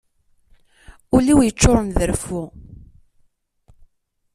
Ul-iw yeččuren d reffu.